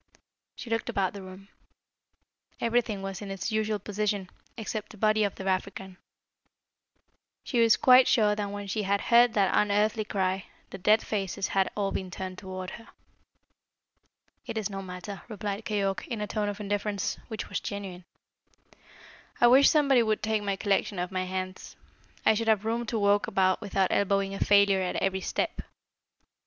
She looked about the room. Everything was in its usual position, except the body of the African. She was quite sure that when she had head that unearthly cry, the dead faces had all been turned towards her. "It is no matter," replied Keyork in a tone of indifference which was genuine. "I wish somebody would take my collection off my hands. I should have room to walk about without elbowing a failure at every step."